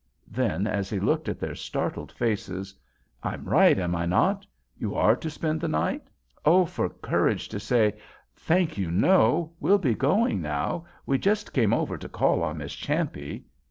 Then, as he looked at their startled faces: "I'm right, am I not? You are to spent the night?" Oh, for courage to say: "Thank you, no. We'll be going now. We just came over to call on Miss Champe."